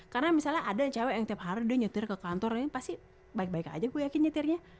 karena misalnya ada cewe yang tiap hari dia nyetir ke kantor pasti baik baik aja gue yakin nyetirnya